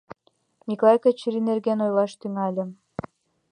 Миклай Качырий нерген ойлаш тӱҥале.